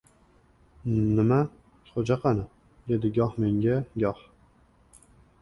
— N-nima gap? Xo‘ja qani? — dedi goh menga, goh